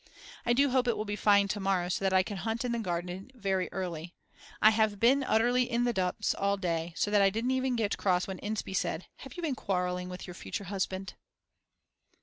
I do hope it will be fine to morrow so that I can hunt in the garden very early. I have been utterly in the dumps all day so that I didn't even get cross when Inspee said: "Have you been quarrelling with your future husband?"